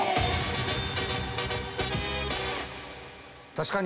確かに。